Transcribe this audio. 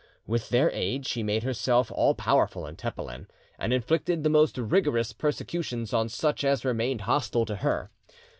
With their aid, she made herself all powerful in Tepelen, and inflicted the most rigorous persecutions on such as remained hostile to her.